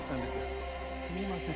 すみません。